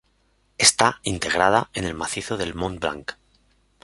Está integrada en el Macizo del Mont Blanc.